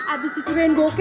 abis itu rendolkek